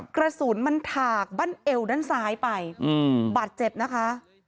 กระสุนมันถากบั้นเอวด้านซ้ายไปบาดเจ็บนะคะ